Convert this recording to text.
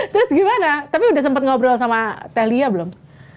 terus gimana tapi udah sempet ngobrol sama teh lia belum